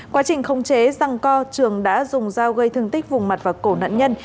quá trình không chế răng co trường đã dùng dao gây thương tích vùng mặt và cổ nạn nhân